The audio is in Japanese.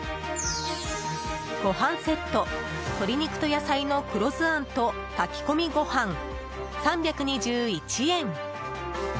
ごはんセット鶏肉と野菜の黒酢あんと炊き込みごはん、３２１円。